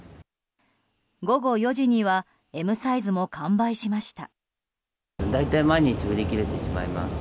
午後４時にはＭサイズも完売しました。